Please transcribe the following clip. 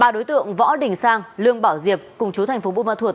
ba đối tượng võ đình sang lương bảo diệp cùng chú thành phố bù mơ thuột